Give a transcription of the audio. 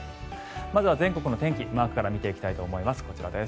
まずは全国の天気マークから見ていきたいと思います。